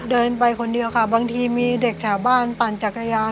เดินไปคนเดียวค่ะบางทีมีเด็กแถวบ้านปั่นจักรยาน